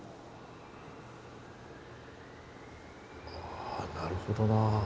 あなるほどな。